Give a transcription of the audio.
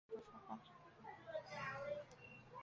米奇是禁酒时期在大西洋城的黑帮。